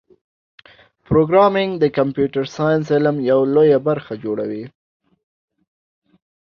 پروګرامېنګ د کمپیوټر ساینس علم لویه برخه جوړوي.